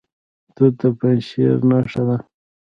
توت د پنجشیر نښه ده.